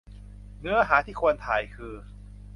เนื้อหาที่ควรถ่ายคือ